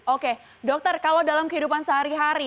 oke dokter kalau dalam kehidupan sehari hari